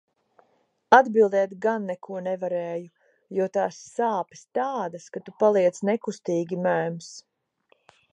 Atbildēt gan neko nevarēju, jo tās sāpes tādas, ka tu paliec nekustīgi mēms.